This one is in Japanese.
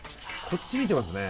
こっち見てますね